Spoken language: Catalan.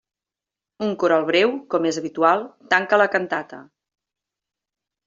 Un coral breu, com és habitual, tanca la cantata.